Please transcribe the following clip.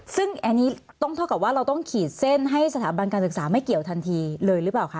ซึ่งอันนี้ต้องเท่ากับว่าเราต้องขีดเส้นให้สถาบันการศึกษาไม่เกี่ยวทันทีเลยหรือเปล่าคะ